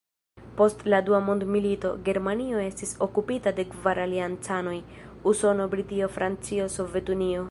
Post la dua mondmilito, Germanio estis okupita de kvar aliancanoj: Usono, Britio, Francio, Sovetunio.